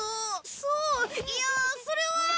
そういやそれは。